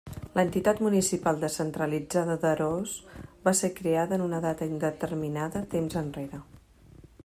L'Entitat Municipal Descentralitzada d'Araós va ser creada en una data indeterminada temps enrere.